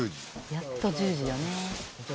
やっと１０時よね。